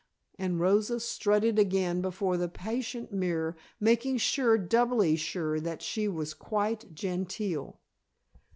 and Rosa strutted again before the patient mirror making sure doubly sure that she was quite genteel.